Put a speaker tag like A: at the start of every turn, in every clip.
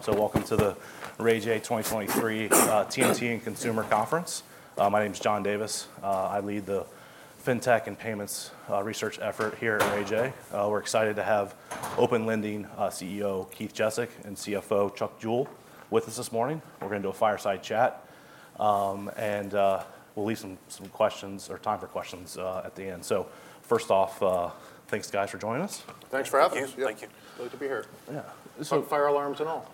A: So welcome to the Raymond James 2023 TMT and Consumer Conference. My name is John Davis. I lead the Fintech and Payments research effort here at Raymond James. We're excited to have Open Lending CEO Keith Jezek and CFO Chuck Jehl with us this morning. We're gonna do a fireside chat, and we'll leave some, some questions or time for questions at the end. First off, thanks, guys, for joining us.
B: Thanks for having us.
C: Yes. Thank you.
B: Glad to be here.
A: Yeah.
B: Smoke fire alarms and all.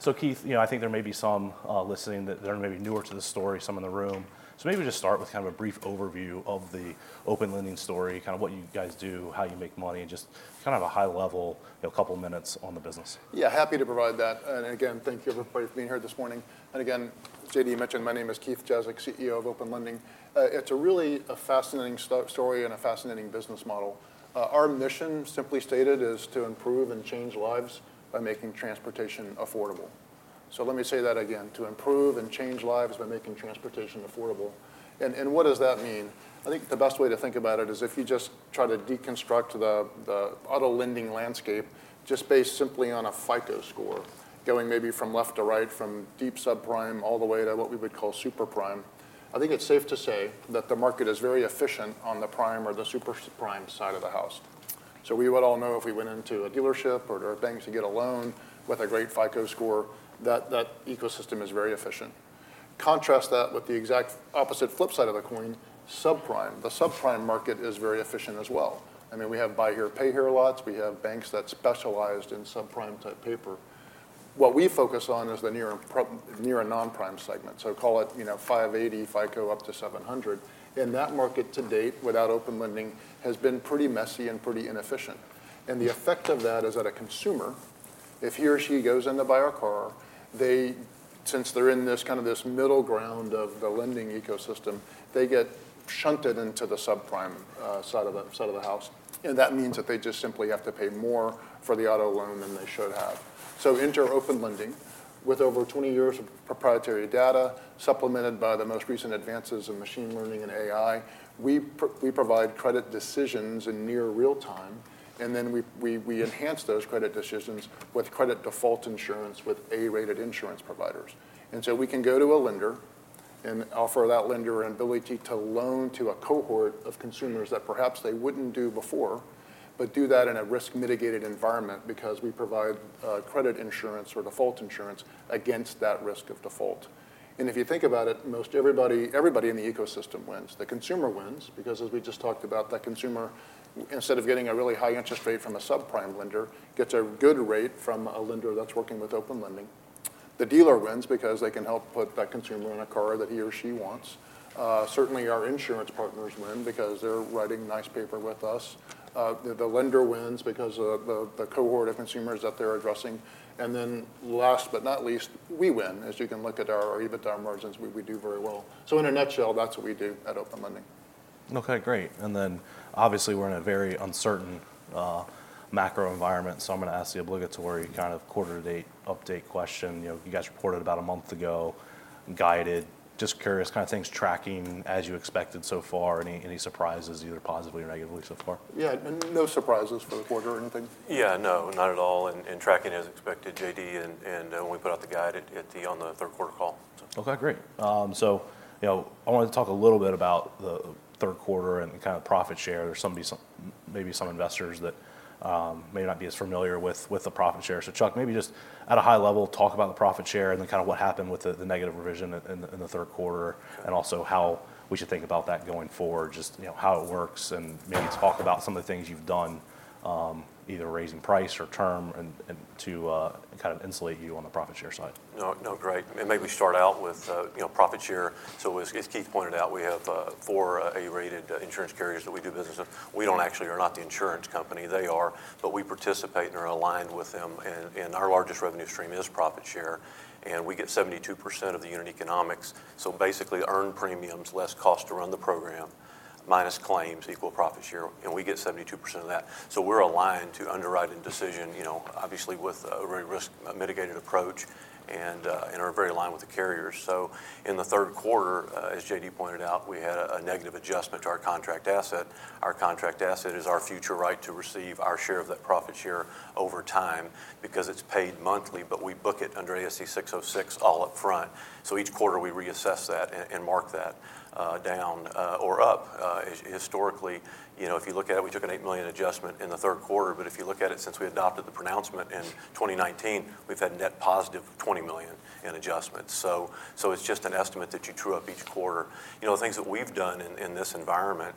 A: So Keith, you know, I think there may be some listening that they're maybe newer to the story, some in the room. So maybe just start with kind of a brief overview of the Open Lending story, kind of what you guys do, how you make money, and just kind of a high level, you know, couple minutes on the business.
B: Yeah, happy to provide that. Again, thank you, everybody, for being here this morning. Again, JD, you mentioned my name is Keith Jezek, CEO of Open Lending. It's really a fascinating story and a fascinating business model. Our mission, simply stated, is to improve and change lives by making transportation affordable. So let me say that again, to improve and change lives by making transportation affordable. And what does that mean? I think the best way to think about it is if you just try to deconstruct the auto lending landscape, just based simply on a FICO score, going maybe from left to right, from deep subprime all the way to what we would call super prime. I think it's safe to say that the market is very efficient on the prime or the super prime side of the house. So we would all know if we went into a dealership or a bank to get a loan with a great FICO score, that, that ecosystem is very efficient. Contrast that with the exact opposite flip side of the coin, subprime. The subprime market is very efficient as well. I mean, we have buy here, pay here lots. We have banks that specialized in subprime-type paper. What we focus on is the near and pro, near and non-prime segment. So call it, you know, 580 FICO up to 700. And that market to date, without Open Lending, has been pretty messy and pretty inefficient. The effect of that is that a consumer, if he or she goes in to buy a car, they, since they're in this kind of this middle ground of the lending ecosystem, they get shunted into the subprime side of the side of the house, and that means that they just simply have to pay more for the auto loan than they should have. Enter Open Lending, with over 20 years of proprietary data, supplemented by the most recent advances in machine learning and AI. We provide credit decisions in near real time, and then we enhance those credit decisions with credit default insurance, with A-rated insurance providers. We can go to a lender and offer that lender an ability to loan to a cohort of consumers that perhaps they wouldn't do before, but do that in a risk-mitigated environment because we provide credit insurance or default insurance against that risk of default. If you think about it, most everybody, everybody in the ecosystem wins. The consumer wins, because as we just talked about, that consumer, instead of getting a really high interest rate from a subprime lender, gets a good rate from a lender that's working with Open Lending. The dealer wins because they can help put that consumer in a car that he or she wants. Certainly, our insurance partners win because they're writing nice paper with us. The lender wins because of the cohort of consumers that they're addressing. Then last but not least, we win. As you can look at our EBITDA margins, we do very well. So in a nutshell, that's what we do at Open Lending.
A: Okay, great. And then obviously, we're in a very uncertain macro environment. So I'm gonna ask the obligatory kind of quarter date update question. You know, you guys reported about a month ago, guided. Just curious, kind of things tracking as you expected so far, any surprises, either positively or negatively so far?
B: Yeah, no surprises for the quarter or anything?
C: Yeah, no, not at all. And tracking as expected, JD, and we put out the guide at the on the third quarter call.
A: Okay, great. So you know, I wanted to talk a little bit about the third quarter and the kind of profit share. There's some, maybe some investors that may not be as familiar with the profit share. So Chuck, maybe just at a high level, talk about the profit share and then kind of what happened with the negative revision in the third quarter, and also how we should think about that going forward. Just, you know, how it works, and maybe talk about some of the things you've done, either raising price or term and to kind of insulate you on the profit share side.
C: No, no, great. Maybe start out with, you know, profit share. So as Keith pointed out, we have four A-rated insurance carriers that we do business with. We don't actually are not the insurance company, they are, but we participate and are aligned with them, and our largest revenue stream is profit share, and we get 72% of the unit economics. So basically, earned premiums, less cost to run the program, minus claims, equal profit share, and we get 72% of that. So we're aligned to underwriting decision, you know, obviously with a very risk-mitigated approach and are very aligned with the carriers. So in the third quarter, as JD pointed out, we had a negative adjustment to our contract asset. Our contract asset is our future right to receive our share of that profit share over time, because it's paid monthly, but we book it under ASC 606 all up front. So each quarter, we reassess that and mark that down or up. Historically, you know, if you look at it, we took an $8 million adjustment in the third quarter, but if you look at it since we adopted the pronouncement in 2019, we've had net positive $20 million in adjustments. So it's just an estimate that you true up each quarter. You know, the things that we've done in this environment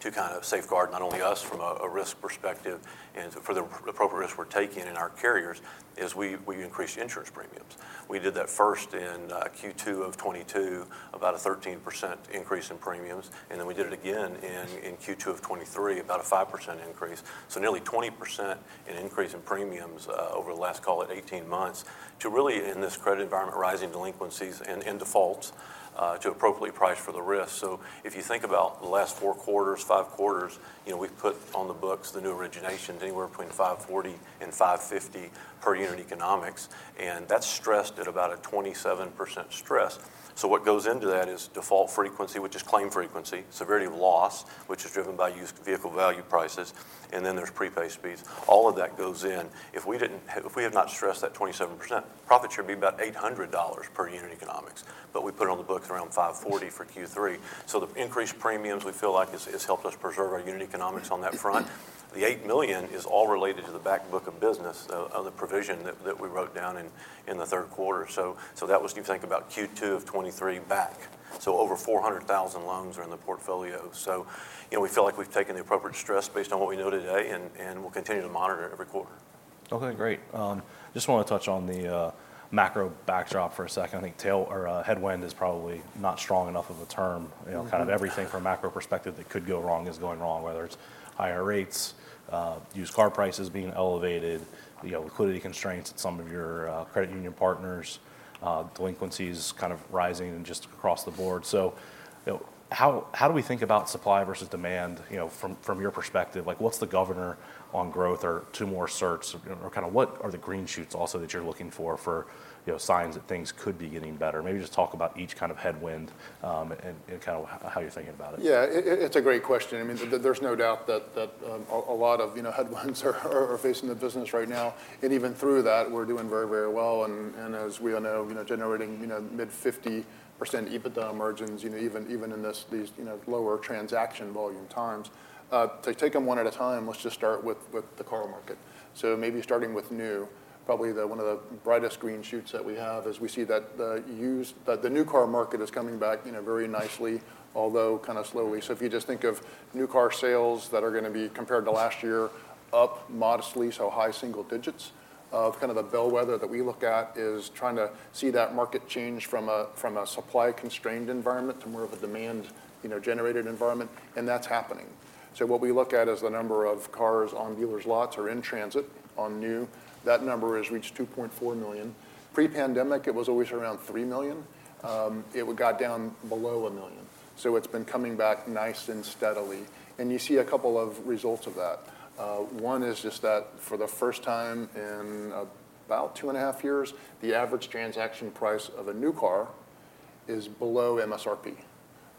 C: to kind of safeguard not only us from a risk perspective and for the appropriate risk we're taking in our carriers is we increase insurance premiums. We did that first in Q2 of 2022, about a 13% increase in premiums, and then we did it again in Q2 of 2023, about a 5% increase. So nearly 20% increase in premiums over the last, call it 18 months, to really, in this credit environment, rising delinquencies and defaults, to appropriately price for the risk. So if you think about the last four quarters, five quarters, you know, we've put on the books the new originations, anywhere between $540-$550 per unit economics, and that's stressed at about a 27% stress. So what goes into that is default frequency, which is claim frequency, severity of loss, which is driven by used vehicle value prices, and then there's prepaid speeds. All of that goes in. If we didn't, if we had not stressed that 27%, profit should be about $800 per unit economics, but we put it on the books around $540 for Q3. So the increased premiums, we feel like, has helped us preserve our unit economics on that front. The $8 million is all related to the back book of business, on the provision that we wrote down in the third quarter. So that was you think about Q2 of 2023 back. So over $400,000 loans are in the portfolio. So, you know, we feel like we've taken the appropriate stress based on what we know today, and we'll continue to monitor it every quarter.
A: Okay, great. Just want to touch on the macro backdrop for a second. I think tailwind or headwind is probably not strong enough of a term. You know, kind of everything from a macro perspective that could go wrong is going wrong, whether it's higher rates, used car prices being elevated, you know, liquidity constraints at some of your, credit union partners, delinquencies kind of rising and just across the board. So, you know, how do we think about supply versus demand, you know, from your perspective? Like, what's the governor on growth or two more certs, or kind of what are the green shoots also that you're looking for, for, you know, signs that things could be getting better? Maybe just talk about each kind of headwind, and kind of how you're thinking about it.
B: Yeah, it's a great question. I mean, there's no doubt that a lot of, you know, headwinds are facing the business right now, and even through that, we're doing very, very well. And as we all know, you know, generating, you know, mid-50% EBITDA margins, you know, even in these, you know, lower transaction volume times. To take them one at a time, let's just start with the car market. So maybe starting with new, probably one of the brightest green shoots that we have is we see that the new car market is coming back, you know, very nicely, although kind of slowly. So if you just think of new car sales that are gonna be compared to last year, up modestly, so high single digits. of kind of a bellwether that we look at is trying to see that market change from a supply-constrained environment to more of a demand, you know, generated environment, and that's happening. So what we look at is the number of cars on dealers' lots or in transit on new. That number has reached 2.4 million. Pre-pandemic, it was always around 3 million. It got down below 1 million, so it's been coming back nice and steadily. And you see a couple of results of that. One is just that for the first time in about 2.5 years, the average transaction price of a new car is below MSRP.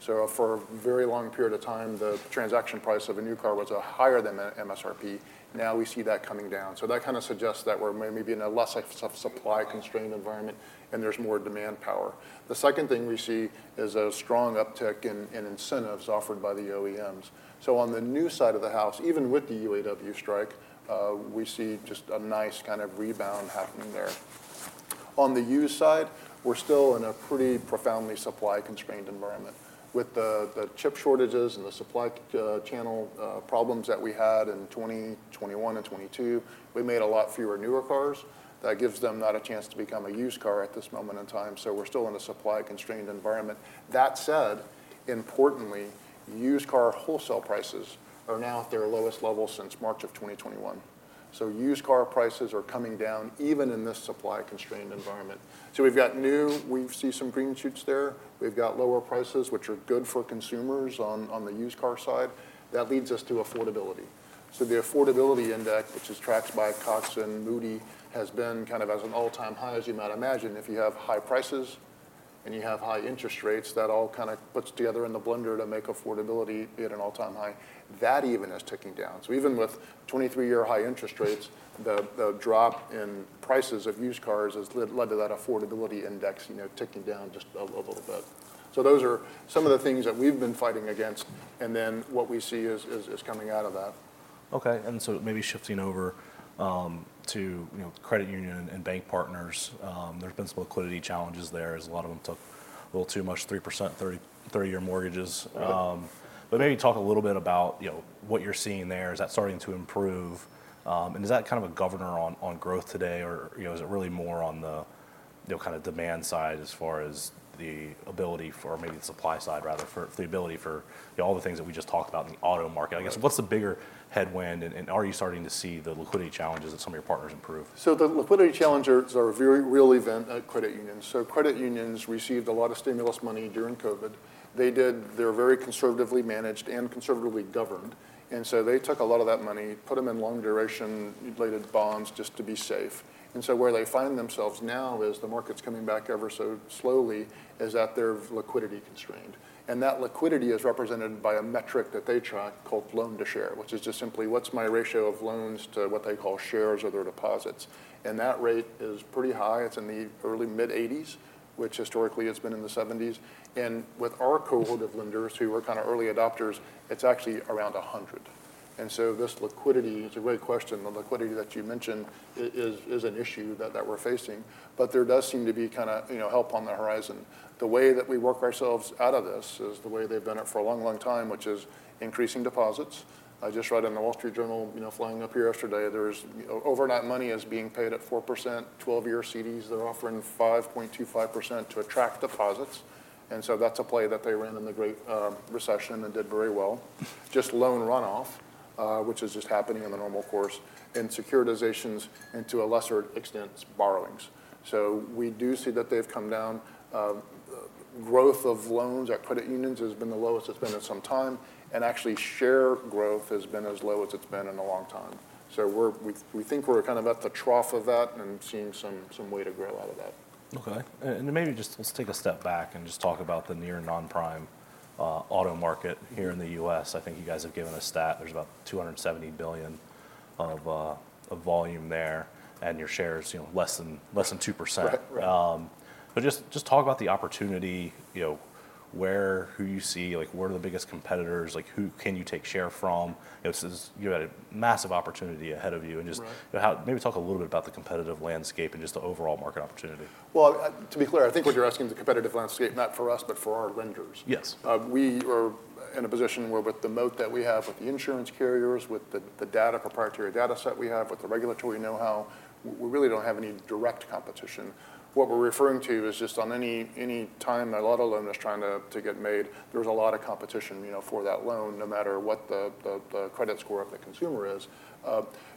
B: So for a very long period of time, the transaction price of a new car was higher than the MSRP. Now we see that coming down. So that kind of suggests that we're maybe in a less of supply-constrained environment, and there's more demand power. The second thing we see is a strong uptick in incentives offered by the OEMs. So on the new side of the house, even with the UAW strike, we see just a nice kind of rebound happening there. On the used side, we're still in a pretty profoundly supply-constrained environment. With the chip shortages and the supply channel problems that we had in 2021 and 2022, we made a lot fewer newer cars. That gives them not a chance to become a used car at this moment in time, so we're still in a supply-constrained environment. That said, importantly, used car wholesale prices are now at their lowest level since March of 2021. So used car prices are coming down, even in this supply-constrained environment. So we've got new, we've seen some green shoots there. We've got lower prices, which are good for consumers on, on the used car side. That leads us to affordability. So the affordability index, which is tracked by Cox and Moody's, has been kind of at an all-time high. As you might imagine, if you have high prices and you have high interest rates, that all kind of puts together in the blender to make affordability at an all-time high. That even is ticking down. So even with 23-year high interest rates, the drop in prices of used cars has led to that affordability index, you know, ticking down just a little bit. So those are some of the things that we've been fighting against, and then what we see is coming out of that.
A: Okay, and so maybe shifting over to, you know, credit union and bank partners, there have been some liquidity challenges there, as a lot of them took a little too much 3%, 30-year mortgages. But maybe talk a little bit about, you know, what you're seeing there. Is that starting to improve? And is that kind of a governor on, on growth today, or, you know, is it really more on the, you know, kind of demand side as far as the ability for maybe the supply side, rather, for the ability for all the things that we just talked about in the auto market?
B: Right.
A: I guess, what's the bigger headwind, and are you starting to see the liquidity challenges that some of your partners improve?
B: So the liquidity challenges are a very real event at credit unions. So credit unions received a lot of stimulus money during COVID. They're very conservatively managed and conservatively governed, and so they took a lot of that money, put them in long-duration, inflated bonds just to be safe. And so where they find themselves now is the market's coming back ever so slowly, is that they're liquidity-constrained. And that liquidity is represented by a metric that they track called loan to share, which is just simply what's my ratio of loans to what they call shares or their deposits, and that rate is pretty high. It's in the early-mid 80s, which historically has been in the 70s. And with our cohort of lenders, who were kind of early adopters, it's actually around 100. And so this liquidity, it's a great question. The liquidity that you mentioned is an issue that we're facing, but there does seem to be kind of, you know, help on the horizon. The way that we work ourselves out of this is the way they've done it for a long, long time, which is increasing deposits. I just read in The Wall Street Journal, you know, flying up here yesterday, there's overnight money is being paid at 4%, 12-year CDs that are offering 5.25% to attract deposits, and so that's a play that they ran in the Great Recession and did very well. Just loan run off, which is just happening in the normal course, and securitizations, and to a lesser extent, borrowings. So we do see that they've come down. Growth of loans at credit unions has been the lowest it's been in some time, and actually, share growth has been as low as it's been in a long time. So we think we're kind of at the trough of that and seeing some way to grow out of that.
A: Okay. And maybe just let's take a step back and just talk about the near non-prime auto market here in the U.S. I think you guys have given a stat. There's about $270 billion of volume there, and your share is, you know, less than 2%.
B: Right, right.
A: But just, just talk about the opportunity, you know, where, who you see, like, what are the biggest competitors? Like, who can you take share from? You know, this is- you had a massive opportunity ahead of you, and just-
B: Right
A: Maybe talk a little bit about the competitive landscape and just the overall market opportunity.
B: Well, to be clear, I think what you're asking is the competitive landscape, not for us, but for our lenders.
A: Yes.
B: We are in a position where with the moat that we have with the insurance carriers, with the data, proprietary data set we have, with the regulatory know-how, we really don't have any direct competition. What we're referring to is just on any time an auto loan is trying to get made, there's a lot of competition, you know, for that loan, no matter what the credit score of the consumer is.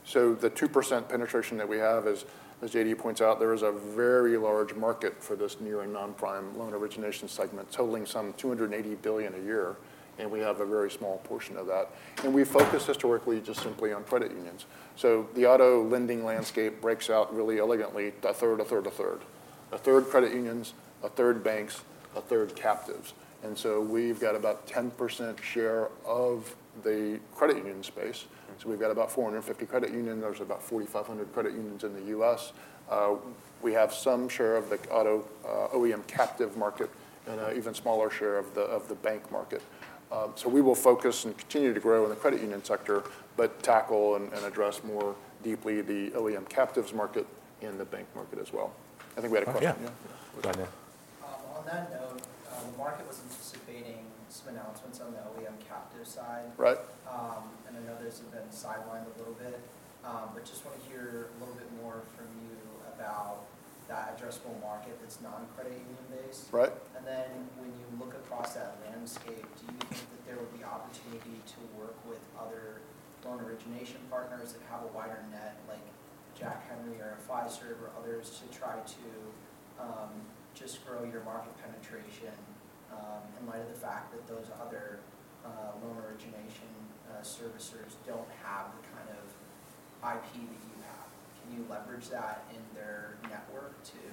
B: So the 2% penetration that we have as JD points out, there is a very large market for this near and non-prime loan origination segment, totaling some $280 billion a year, and we have a very small portion of that. And we focused historically, just simply on credit unions. So the auto lending landscape breaks out really elegantly, a third, a third, a third. A third credit unions, a third banks, a third captives. So we've got about 10% share of the credit union space. So we've got about 450 credit union. There's about 4,500 credit unions in the U.S. We have some share of the auto, OEM captive market, and an even smaller share of the, of the bank market. So we will focus and continue to grow in the credit union sector, but tackle and, and address more deeply the OEM captives market and the bank market as well. I think we had a question.
A: Oh, yeah.
D: Yeah.
A: Go ahead, yeah.
D: On that note, the market was anticipating some announcements on the OEM captive side-
B: Right...
D: and I know those have been sidelined a little bit. But just want to hear a little bit more from you about that addressable market that's non-credit union based.
B: Right.
D: And then, when you look across that landscape, do you think that there will be opportunity to work with other loan origination partners that have a wider net, like Jack Henry or Fiserv or others, to try to just grow your market penetration, in light of the fact that those other loan origination servicers don't have the kind of IP that you have? Can you leverage that in their network to,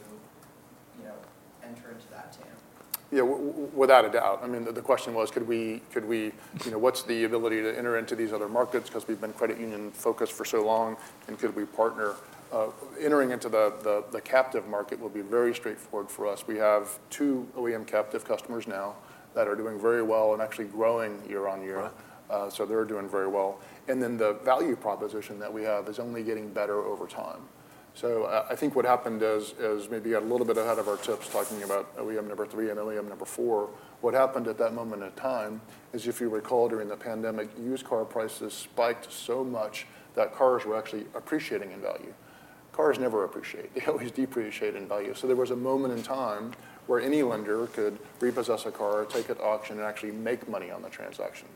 D: you know, enter into that too?
B: Yeah, without a doubt. I mean, the question was, could we, you know, what's the ability to enter into these other markets? Because we've been credit union-focused for so long, and could we partner? Entering into the captive market will be very straightforward for us. We have two OEM captive customers now that are doing very well and actually growing year-on-year.
A: Right.
B: So they're doing very well. And then, the value proposition that we have is only getting better over time. So, I think what happened is, is maybe a little bit ahead of our chips, talking about OEM number three and OEM number four. What happened at that moment in time, is if you recall, during the pandemic, used car prices spiked so much that cars were actually appreciating in value. Cars never appreciate, they always depreciate in value. So there was a moment in time where any lender could repossess a car, take it to auction, and actually make money on the transaction.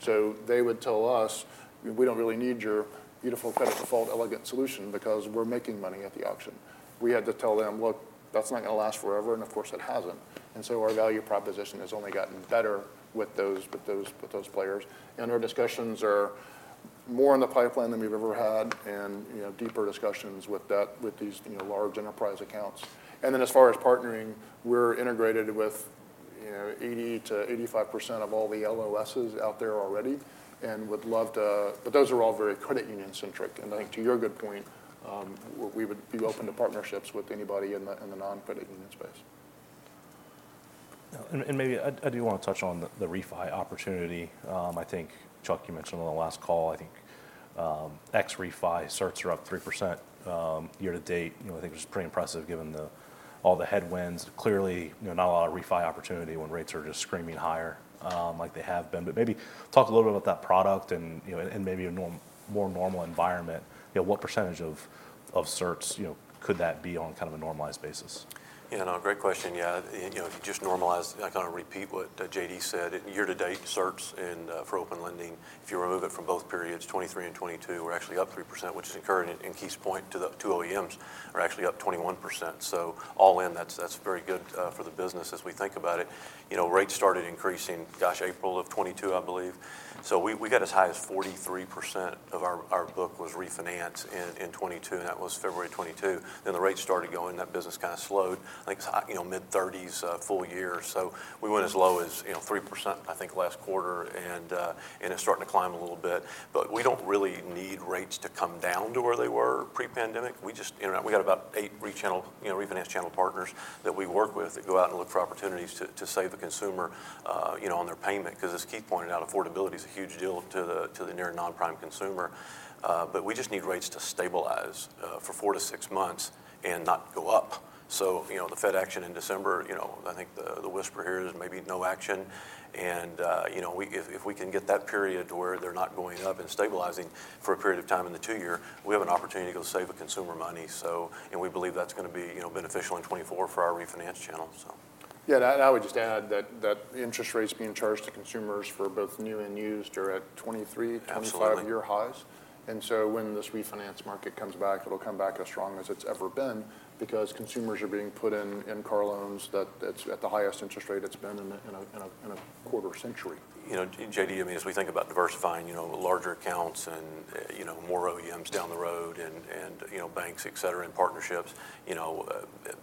B: So they would tell us: "We don't really need your beautiful credit default elegant solution because we're making money at the auction." We had to tell them: "Look, that's not gonna last forever." And of course, it hasn't. So our value proposition has only gotten better with those players. Our discussions are more in the pipeline than we've ever had, and, you know, deeper discussions with these, you know, large enterprise accounts. Then, as far as partnering, we're integrated with, you know, 80%-85% of all the LOSs out there already and would love to... But those are all very credit union-centric.
A: Right.
B: I think, to your good point, we would be open to partnerships with anybody in the non-credit union space.
A: And maybe I do wanna touch on the refi opportunity. I think, Chuck, you mentioned on the last call, I think, ex refi certs are up 3%, year-to-date. You know, I think it's pretty impressive, given all the headwinds. Clearly, you know, not a lot of refi opportunity when rates are just screaming higher, like they have been. But maybe talk a little bit about that product and, you know, and maybe a more normal environment. You know, what percentage of certs, you know, could that be on kind of a normalized basis?
C: You know, great question. Yeah, you know, if you just normalize... I kinda repeat what, JD said. Year-to-date, certs and, for Open Lending, if you remove it from both periods, 2023 and 2022, we're actually up 3%, which is encouraging. And Keith's point to the two OEMs are actually up 21%, so all in, that's, that's very good, for the business as we think about it. You know, rates started increasing, gosh, April of 2022, I believe. So we got as high as 43% of our book was refinance in 2022, and that was February 2022. Then, the rates started going, that business kind of slowed. I think it's, you know, mid-30s%, full year. So we went as low as, you know, 3%, I think, last quarter, and it's starting to climb a little bit. But we don't really need rates to come down to where they were pre-pandemic. We just... You know, we got about eight rechannel, you know, refinance channel partners that we work with, that go out and look for opportunities to save the consumer, you know, on their payment. 'Cause as Keith pointed out, affordability is a huge deal to the near non-prime consumer. But we just need rates to stabilize for four-six months, and not go up. So, you know, the Fed action in December, you know, I think the whisper here is maybe no action. You know, if we can get that period to where they're not going up and stabilizing for a period of time in the two-year, we have an opportunity to go save a consumer money, so. And we believe that's gonna be, you know, beneficial in 2024 for our refinance channel, so.
B: Yeah, and I would just add that, that interest rates being charged to consumers for both new and used are at 23%-25%-
C: Absolutely...
B: year highs. And so when this refinance market comes back, it'll come back as strong as it's ever been because consumers are being put in car loans that at the highest interest rate it's been in a quarter century.
C: You know, JD, I mean, as we think about diversifying, you know, larger accounts and you know, more OEMs down the road and you know, banks, et cetera, and partnerships, you know,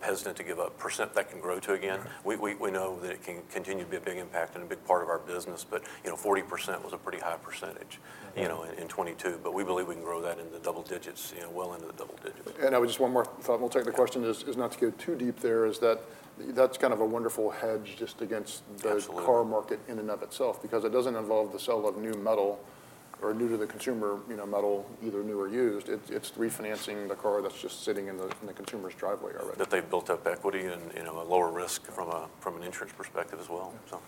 C: hesitant to give a percent that can grow to again. We know that it can continue to be a big impact and a big part of our business, but, you know, 40% was a pretty high percentage you know, in 2022. But we believe we can grow that into double digits, you know, well into the double digits.
B: And, just one more thought we'll take the question is, is not to go too deep there, is that, that's kind of a wonderful hedge just against the-
C: Absolutely...
B: car market in and of itself, because it doesn't involve the sale of new metal... or new to the consumer, you know, metal, either new or used. It's, it's refinancing the car that's just sitting in the, in the consumer's driveway already.
C: That they've built up equity and, you know, a lower risk from an insurance perspective as well. So,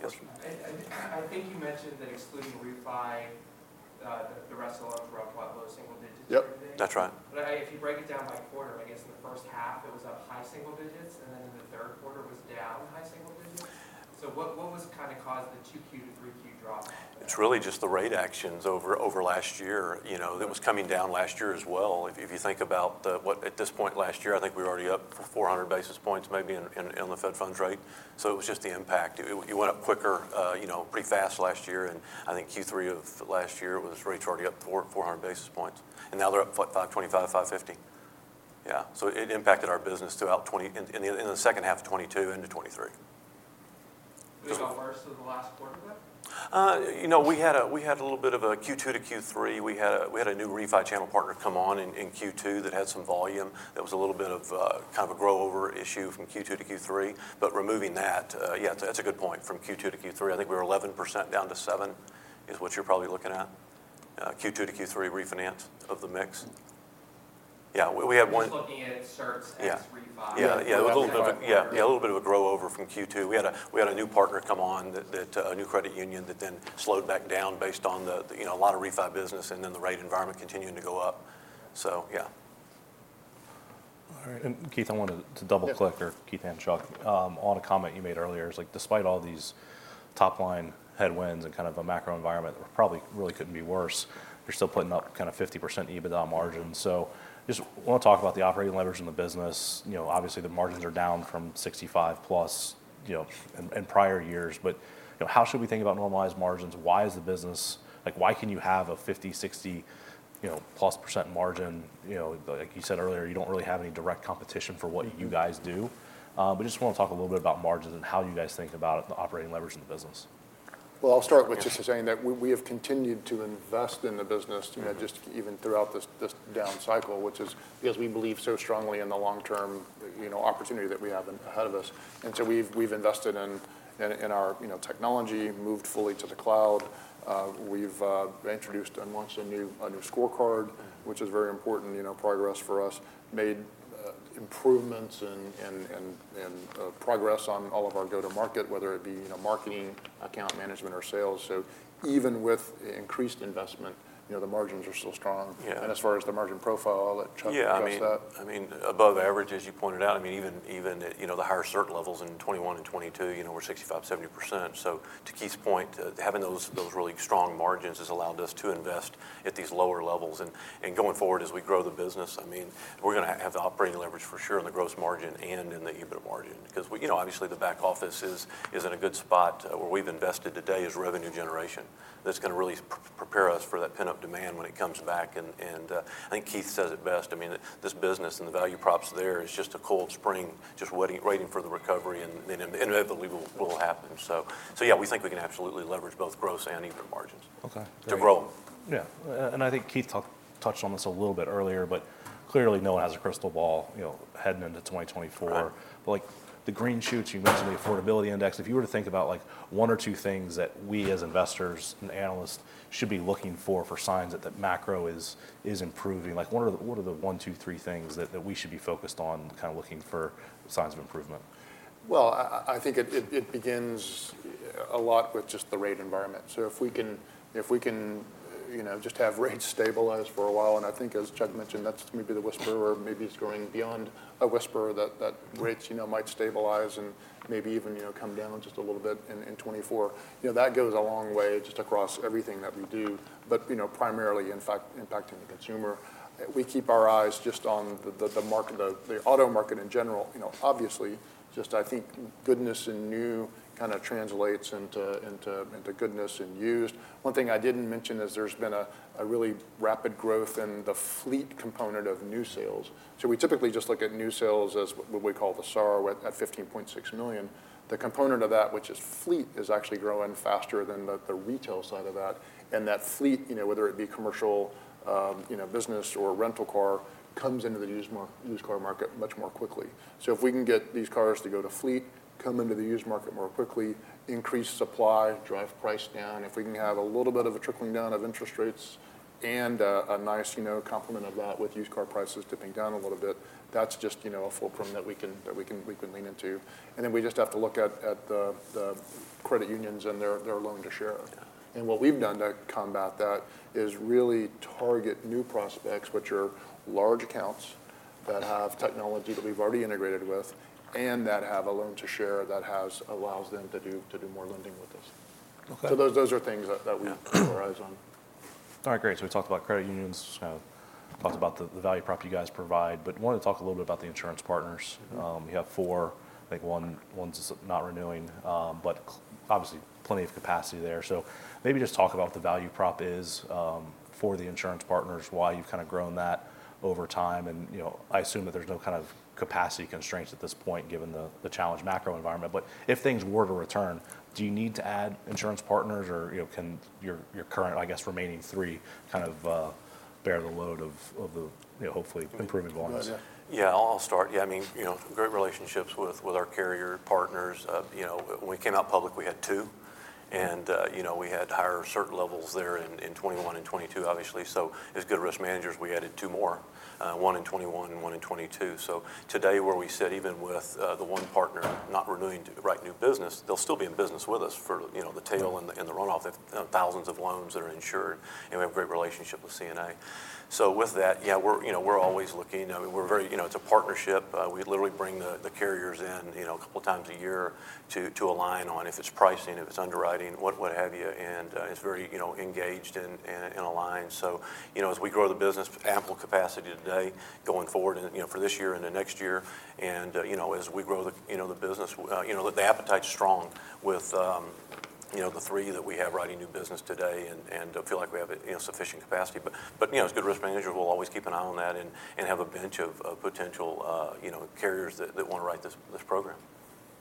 C: yes.
E: I think you mentioned that excluding refi, the rest of the loans were up low single digits-
C: Yep, that's right.
E: But if you break it down by quarter, I guess in the first half, it was up high single digits, and then in the third quarter, it was down high single digits. So what was kind of caused the 2Q to 3Q drop like that?
C: It's really just the rate actions over, over last year, you know, that was coming down last year as well. If you, if you think about the... what-- at this point last year, I think we were already up 400 basis points, maybe in, in, in the Fed funds rate. So it was just the impact. It, it went up quicker, you know, pretty fast last year, and I think Q3 of last year was really already up 400 basis points. And now they're up 525, 550. Yeah. So it impacted our business throughout 2020-- in the, in the second half of 2022 into 2023.
E: It got worse in the last quarter then?
C: You know, we had a little bit of a Q2 to Q3. We had a new refi channel partner come on in Q2 that had some volume. There was a little bit of kind of a carryover issue from Q2 to Q3, but removing that... Yeah, that's a good point. From Q2 to Q3, I think we were 11% down to 7%, is what you're probably looking at. Q2 to Q3 refinance of the mix. Yeah, we have one-
E: Just looking at certs-
C: Yeah
E: as refi.
C: Yeah, yeah. A little bit-
B: Yeah.
C: Yeah, a little bit of a carryover from Q2. We had a new partner come on, a new credit union that then slowed back down based on the, you know, a lot of refi business, and then the rate environment continuing to go up. So, yeah.
A: All right. And Keith, I wanted to double-click-
C: Yeah
A: For Keith and Chuck, on a comment you made earlier, is like, despite all these top-line headwinds and kind of a macro environment that probably really couldn't be worse, you're still putting up kind of 50% EBITDA margins. So just wanna talk about the operating leverage in the business. You know, obviously, the margins are down from 65+, you know, in prior years, but, you know, how should we think about normalized margins? Why is the business... Like, why can you have a 50, 60, you know, +% margin, you know? Like you said earlier, you don't really have any direct competition for what you guys do. But just wanna talk a little bit about margins and how you guys think about the operating leverage in the business.
B: Well, I'll start with just saying that we have continued to invest in the business you know, just even throughout this down cycle, which is because we believe so strongly in the long-term, you know, opportunity that we have ahead of us. And so we've invested in our, you know, technology, moved fully to the cloud. We've introduced and launched a new scorecard which is very important, you know, progress for us. Made improvements and progress on all of our go-to-market, whether it be, you know, marketing, account management, or sales. So even with increased investment, you know, the margins are still strong.
A: Yeah.
B: As far as the margin profile, I'll let Chuck address that.
C: Yeah, I mean, above average, as you pointed out, I mean, even at, you know, the higher cert levels in 2021 and 2022, you know, we're 65%-70%. So to Keith's point, having those really strong margins has allowed us to invest at these lower levels. And going forward, as we grow the business, I mean, we're gonna have the operating leverage for sure in the gross margin and in the EBITDA margin, because, you know, obviously, the back office is in a good spot. Where we've invested today is revenue generation. That's gonna really prepare us for that pent-up demand when it comes back. I think Keith says it best, I mean, this business and the value props there is just a cold spring, just waiting for the recovery, and then inevitably will happen. Yeah, we think we can absolutely leverage both gross and EBITDA margins-
A: Okay...
C: to grow.
A: Yeah. And I think Keith touched on this a little bit earlier, but clearly, no one has a crystal ball, you know, heading into 2024.
C: Correct.
A: Like, the green shoots you mentioned, the affordability index. If you were to think about, like, one or two things that we, as investors and analysts, should be looking for, for signs that the macro is improving, like, what are the one, two, three things that we should be focused on, kind of looking for signs of improvement?
B: Well, I think it begins a lot with just the rate environment. So if we can, you know, just have rates stabilized for a while, and I think, as Chuck mentioned, that's maybe the whisper or maybe it's growing beyond a whisper, that rates, you know, might stabilize and maybe even, you know, come down just a little bit in 2024. You know, that goes a long way just across everything that we do, but, you know, primarily impacting the consumer. We keep our eyes just on the market, the auto market in general. You know, obviously, just I think goodness and new kind of translates into goodness and used. One thing I didn't mention is there's been a really rapid growth in the fleet component of new sales. So we typically just look at new sales as what we call the SAAR, at 15.6 million. The component of that, which is fleet, is actually growing faster than the retail side of that. And that fleet, you know, whether it be commercial, you know, business or rental car, comes into the used car market much more quickly. So if we can get these cars to go to fleet, come into the used market more quickly, increase supply, drive price down, if we can have a little bit of a trickling down of interest rates and a nice, you know, complement of that with used car prices dipping down a little bit, that's just, you know, a foolproof that we can lean into. And then we just have to look at the credit unions and their loan to share.
A: Yeah.
B: What we've done to combat that is really target new prospects, which are large accounts that have technology that we've already integrated with and that have a loan to share that allows them to do more lending with us.
A: Okay.
B: So those are things that we-
A: Yeah...
B: keep our eyes on.
A: All right, great. So we talked about credit unions, talked about the value prop you guys provide, but wanted to talk a little bit about the insurance partners. You have four, I think one, one's not renewing, but obviously, plenty of capacity there. So maybe just talk about what the value prop is for the insurance partners, why you've kind of grown that over time. You know, I assume that there's no kind of capacity constraints at this point, given the challenge macro environment. But if things were to return, do you need to add insurance partners, or, you know, can your current, I guess, remaining three kind of bear the load of the, you know, hopefully improving loans.
C: Yeah, I'll start. Yeah, I mean, you know, great relationships with our carrier partners. You know, when we came out public, we had two, and you know, we had higher certain levels there in 2021 and 2022, obviously. So as good risk managers, we added two more, one in 2021 and one in 2022. So today, where we sit, even with the one partner not renewing to write new business, they'll still be in business with us for, you know, the tail and the run-off. They've thousands of loans that are insured, and we have a great relationship with CNA. So with that, yeah, we're, you know, we're always looking. I mean, we're very you know, it's a partnership. We literally bring the carriers in, you know, a couple of times a year to align on if it's pricing, if it's underwriting, what have you. And it's very, you know, engaged and aligned. So you know, as we grow the business, ample capacity today, going forward, and you know, for this year and the next year, and you know, as we grow the business, you know, the appetite is strong with you know, the three that we have writing new business today and feel like we have you know, sufficient capacity. But you know, as good risk managers, we'll always keep an eye on that and have a bench of potential you know, carriers that want to write this program.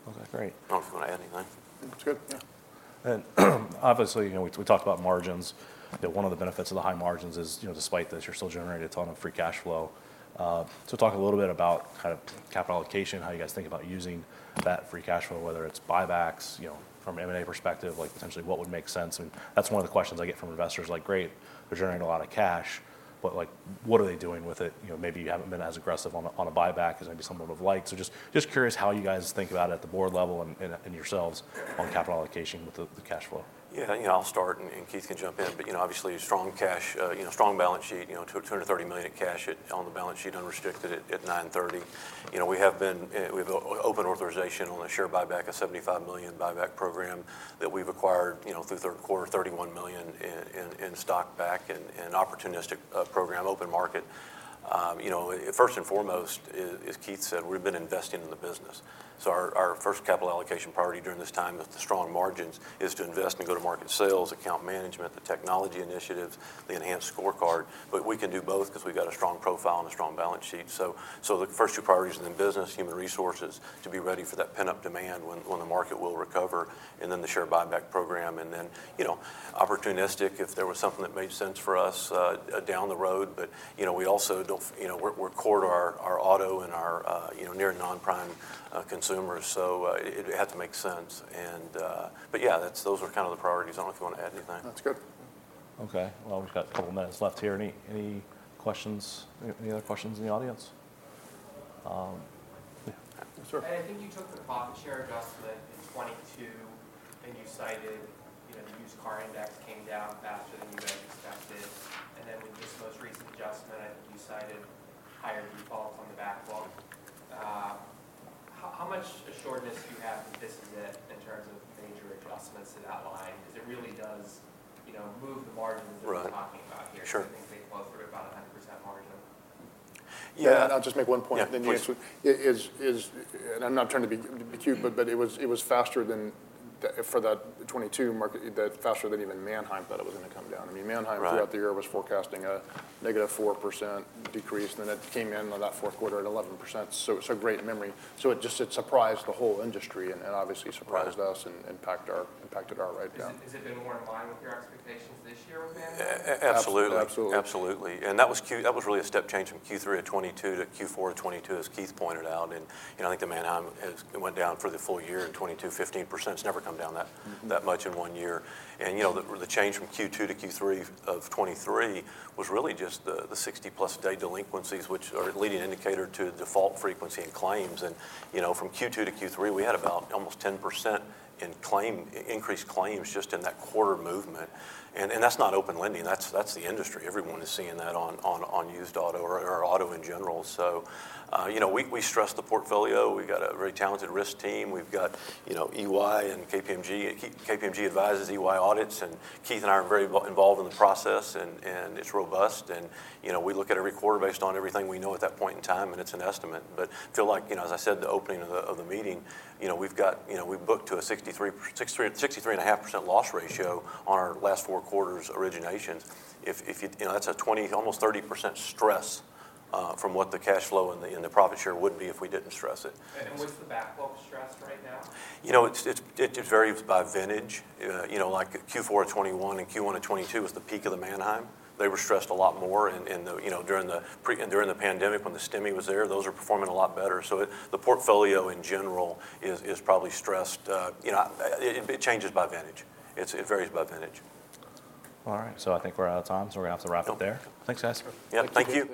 A: Okay, great.
C: I don't know if you want to add anything.
B: It's good, yeah.
A: Obviously, you know, we talked about margins, that one of the benefits of the high margins is, you know, despite this, you're still generating a ton of free cash flow. So talk a little bit about kind of capital allocation, how you guys think about using that free cash flow, whether it's buybacks, you know, from an M&A perspective, like, potentially what would make sense? That's one of the questions I get from investors. Like, great, they're generating a lot of cash, but, like, what are they doing with it? You know, maybe you haven't been as aggressive on a buyback as maybe some would have liked. Just curious how you guys think about it at the board level and yourselves on capital allocation with the cash flow.
C: Yeah, you know, I'll start, and Keith can jump in. But, you know, obviously, strong cash, you know, strong balance sheet, you know, $230 million in cash on the balance sheet, unrestricted at 9/30. You know, we have been, we have open authorization on a share buyback, a $75 million buyback program that we've acquired, you know, through the third quarter, $31 million in stock back and opportunistic program, open market. You know, first and foremost, as Keith said, we've been investing in the business. So our first capital allocation priority during this time with the strong margins is to invest in go-to-market sales, account management, the technology initiatives, the enhanced scorecard. But we can do both 'cause we've got a strong profile and a strong balance sheet. So the first two priorities is in business, human resources, to be ready for that pent-up demand when the market will recover, and then the share buyback program. And then, you know, opportunistic if there was something that made sense for us down the road. But, you know, we also don't you know, we're core to our auto and our you know, near non-prime consumers, so it had to make sense. And but yeah, that's those are kind of the priorities. I don't know if you want to add anything.
B: That's good.
A: Okay. Well, we've got a couple of minutes left here. Any, any questions? Any other questions in the audience? Yeah, sure.
F: I think you took the profit share adjustment in 2022, and you cited, you know, the used car index came down faster than you guys expected. And then, with this most recent adjustment, I think you cited higher defaults on the backlog. How much assuredness do you have that this is it in terms of major adjustments to that line? 'Cause it really does, you know, move the margins-
C: Right...
F: that we're talking about here.
C: Sure.
F: I think they're close to about 100% margin.
C: Yeah-
B: Yeah, and I'll just make one point, and then, Keith.
A: Yeah, please.
B: It is. And I'm not trying to be cute, but it was faster than the, for that 2022 market, faster than even Manheim thought it was gonna come down. I mean, Manheim-
A: Right...
B: throughout the year, was forecasting a negative 4% decrease, and then it came in on that fourth quarter at 11%. So it's a great memory. So it just, it surprised the whole industry, and, and obviously-
A: Right...
B: surprised us and impacted our write-down.
F: Is it been more in line with your expectations this year with Manheim?
C: Absolutely.
B: Absolutely.
C: Absolutely. And that was Q- that was really a step change from Q3 of 2022 to Q4 of 2022, as Keith pointed out. And, you know, I think the Manheim has went down for the full year in 2022, 15%. It's never come down that, that much in one year. And, you know, the, the change from Q2 to Q3 of 2023 was really just the, the 60+ day delinquencies, which are a leading indicator to default frequency and claims. And, you know, from Q2 to Q3, we had about almost 10% in claim, increased claims just in that quarter movement. And, and that's not Open Lending. That's, that's the industry. Everyone is seeing that on, on, on used auto or, or auto in general. So, you know, we, we stress the portfolio. We've got a very talented risk team. We've got, you know, EY and KPMG. KPMG advises, EY audits, and Keith and I are very involved in the process, and it's robust. You know, we look at every quarter based on everything we know at that point in time, and it's an estimate. But feel like, you know, as I said, the opening of the meeting, you know, we've got... You know, we've booked to a 63.5% loss ratio on our last four quarters originations. If you know, that's a 20%, almost 30% stress from what the cash flow and the profit share would be if we didn't stress it.
F: What's the backlog stress right now?
C: You know, it varies by vintage. You know, like Q4 of 2021 and Q1 of 2022 was the peak of the Manheim. They were stressed a lot more in the, you know, during the pandemic, when the stimulus was there. Those are performing a lot better. So the portfolio in general is probably stressed. You know, it changes by vintage. It varies by vintage.
A: All right, so I think we're out of time, so we're gonna have to wrap up there. Thanks, guys.
C: Yep, thank you.